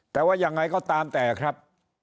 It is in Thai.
แต่ว่ายังไงก็ตามแต่ครับ